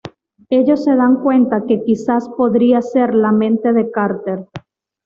Ellos se dan cuenta que quizás podría ser la mente de Carter.